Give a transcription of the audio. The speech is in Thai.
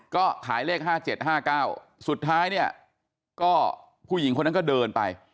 ก็ขายเลข๕๗๕๙สุดท้ายเนี่ยก็ผู้หญิงคนนั้นก็เดินไป